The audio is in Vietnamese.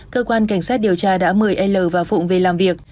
cơ quan cảnh sát điều tra đã mời l và phụng về làm việc